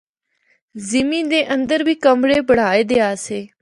زِمّی دے اندر بھی کمرے بنڑائے دے آسے۔